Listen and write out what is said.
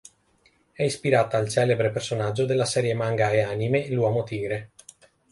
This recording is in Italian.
È ispirata al celebre personaggio della serie manga e anime "L'Uomo Tigre".